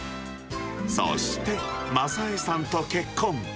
そして正枝さんと結婚。